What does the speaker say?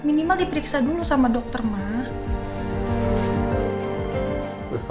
minimal diperiksa dulu sama dokter mah